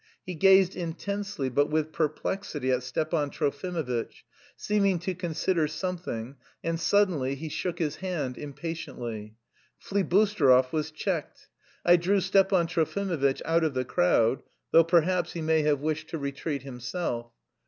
He gazed intensely but with perplexity at Stepan Trofimovitch, seeming to consider something, and suddenly he shook his hand impatiently. Flibusterov was checked. I drew Stepan Trofimovitch out of the crowd, though perhaps he may have wished to retreat himself.